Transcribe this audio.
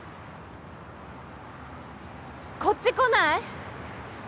こっち来ない？